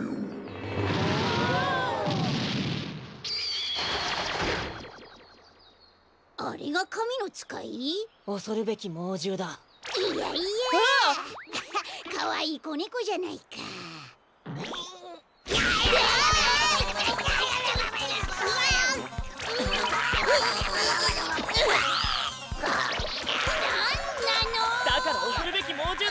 だからおそるべきもうじゅうだといったろ！